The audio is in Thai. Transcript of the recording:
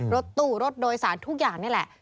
รถตู้รถโดยสารทุกอย่างนี่แหละ